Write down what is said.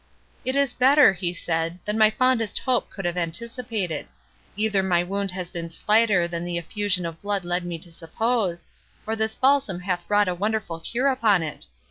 "It is better," he said, "than my fondest hope could have anticipated; either my wound has been slighter than the effusion of blood led me to suppose, or this balsam hath wrought a wonderful cure upon it.